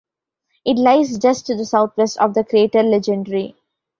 It lies just to the southwest of the crater Legendre.